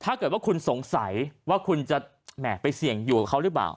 ถ้าเกิดว่าคุณสงสัยว่าคุณจะแหม่ไปเสี่ยงอยู่กับเขาหรือเปล่า